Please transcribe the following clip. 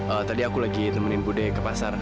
ee tadi aku lagi temenin bu deh ke pasar